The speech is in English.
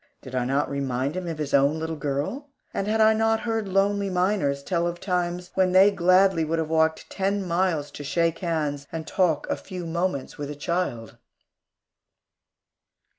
Did I not remind him of his own little girl? And had I not heard lonely miners tell of times when they gladly would have walked ten miles to shake hands and talk a few moments with a child?